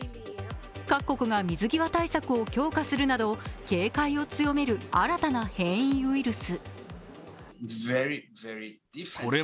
各国が水際対策を強化するなど警戒を強める新たな変異ウイルス。